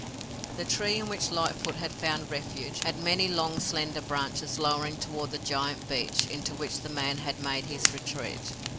The tree in which Lightfoot had found refuge had many long slender branches lowering toward the giant beech into which the man had made his retreat.